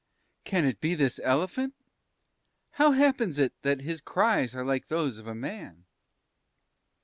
Can it be this elephant? How happens it that his cries are like those of a man?"